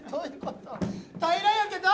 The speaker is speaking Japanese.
平らやけど！